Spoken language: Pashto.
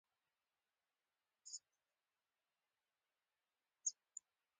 هر هغه څه چي ځانګړتیا لري نو ځانګړي وي لکه زه او ته